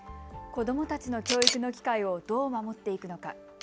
子どもたちの教育の機会をどう守っていくのか。